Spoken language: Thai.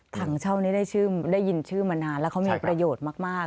ถังเช่านี้ได้ยินชื่อมานานแล้วเขามีประโยชน์มาก